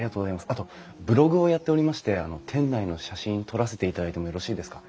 あとブログをやっておりまして店内の写真撮らせていただいてもよろしいですか？